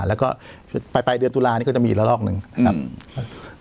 แล้วก็ปลายเดือนตุลานี่ก็จะมีอีกละลอกหนึ่งนะครับ